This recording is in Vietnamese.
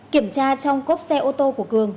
kiểm tra trong cốp xe ô tô của cường